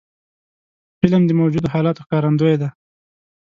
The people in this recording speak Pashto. فلم د موجودو حالاتو ښکارندوی دی